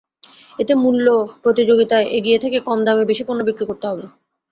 এতে মূল্য প্রতিযোগিতায় এগিয়ে থেকে কম দামে বেশি পণ্য বিক্রি করতে হবে।